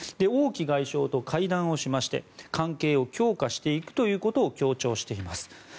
王毅外相と会談をしまして関係を強化していくことを強調しています。